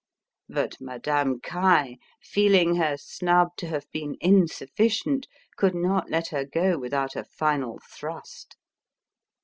But Madame Caille, feeling her snub to have been insufficient, could not let her go without a final thrust.